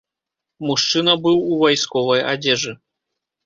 Мужчына быў у вайсковай адзежы.